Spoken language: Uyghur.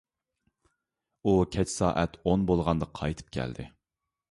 ئۇ كەچ سائەت ئون بولغاندا قايتىپ كەلدى.